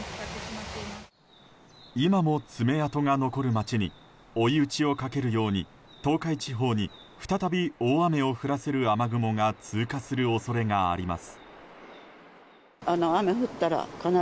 今も爪痕が残る街に追い打ちをかけるように東海地方に再び大雨を降らせる雨雲が通過する恐れがあります。